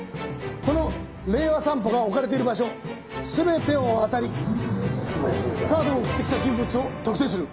この『令和散歩』が置かれてる場所全てを当たりカードを送ってきた人物を特定する。